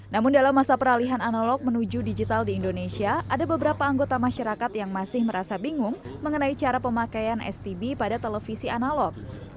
namun dalam masa peralihan analog menuju digital di indonesia ada beberapa anggota masyarakat yang masih merasa bingung mengenai cara pemakaian stb pada televisi analog